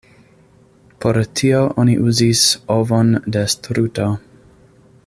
Por tio oni uzis ovon de struto.